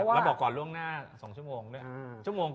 เราบอกก่อนล่วงหน้า๒ชั่วโมง